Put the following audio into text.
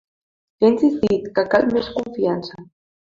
I ha insistit que cal més confiança.